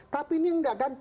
tapi ini enggak kan